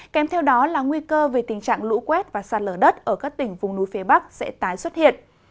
kèm theo đó là nguy cơ về tình trạng lũ quét và sạt lở đất ở các tỉnh vùng núi phía bắc sẽ tái xuất hiện